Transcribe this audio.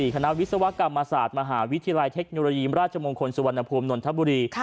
คณะวิศวกรรมศาสตร์มหาวิทยาลัยเทคโนโลยีราชมงคลสุวรรณภูมินนทบุรี